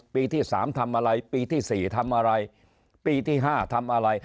ปีที่๓ทำอะไรปีที่๔ทำอะไรปีที่๕ทำอะไร